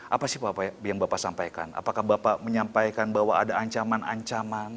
apa sih pak yang bapak sampaikan apakah bapak menyampaikan bahwa ada ancaman ancaman